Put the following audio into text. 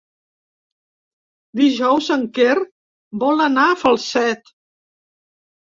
Dijous en Quer vol anar a Falset.